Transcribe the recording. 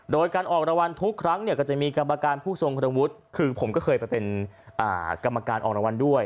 โดยการออกรางวัลทุกครั้งเนี่ยก็จะมีกรรมการผู้ทรงคุณวุฒิคือผมก็เคยไปเป็นกรรมการออกรางวัลด้วย